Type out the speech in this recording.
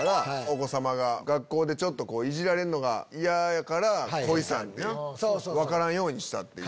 お子様が学校でイジられるのが嫌やから恋さんって分からんようにした。